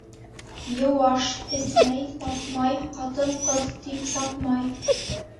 Йыуаш, эсмәй, тартмай, ҡатын-ҡыҙ тип сапмай.